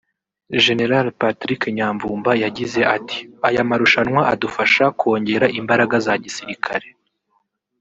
Gen Patrick Nyamvumba yagize ati " Aya marushanwa adufasha kongera imbaraga za gisirikare